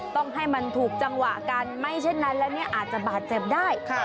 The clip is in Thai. ต้องให้มันถูกจังหวะกันไม่เช่นนั้นแล้วเนี่ยอาจจะบาดเจ็บได้